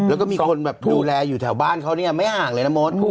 แล้วก็มีคนแบบดูแลอยู่แถวบ้านเขาเนี่ยไม่ห่างเลยนะมด